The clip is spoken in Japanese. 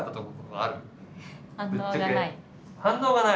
あ反応がない。